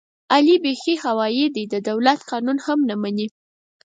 علي بیخي هوایي دی، د دولت قانون هم نه مني.